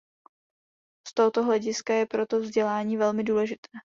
Z tohoto hlediska je proto vzdělání velmi důležité.